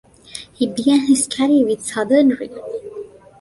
He began his career with Southern Railway.